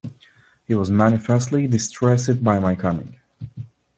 He was manifestly distressed by my coming.